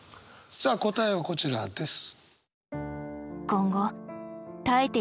さあ答えはこちらです。